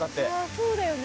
そうだよね。